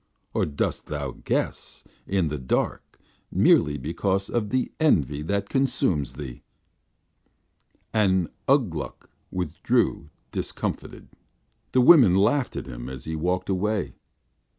Or dost thou guess, in the dark, merely because of the envy that consumes thee?" And Ugh Gluk withdrew discomfited, the women laughing at him as he walked away.